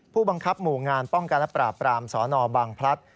ผู้บังคับหมู่งานป้องการปราบพราหมณ์สบังพลัทธ์